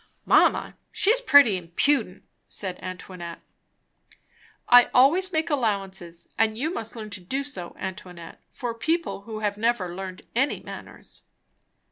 "Mamma, she's pretty impudent!" said Antoinette. "I always make allowances, and you must learn to do so, Antoinette, for people who have never learned any manners."